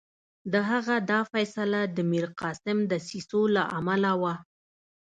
د هغه دا فیصله د میرقاسم دسیسو له امله وه.